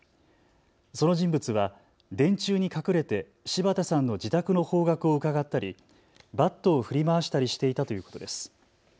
その人物は電柱に隠れて柴田さんの自宅の方角をうかがったり、バットを振り回したりしていたということです。